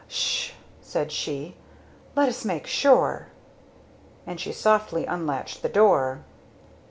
"Sh!" said she. "Let us make sure!" and she softly unlatched the door.